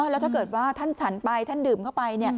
แล้วถ้าเกิดว่าท่านฉันไปท่านดื่มเข้าไป